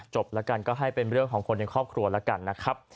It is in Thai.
จบแล้วกันก็ให้เป็นเรื่องของคนในครอบครัวแล้วกันนะครับ